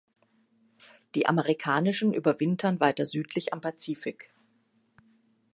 Die amerikanischen überwintern weiter südlich am Pazifik.